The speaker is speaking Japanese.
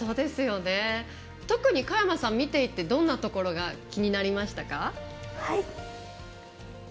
特に佳山さん見ていて特にどんなところが気になりましたか。